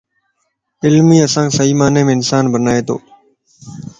علم ئي اسانک صحيح معني مَ انسان بنائي تو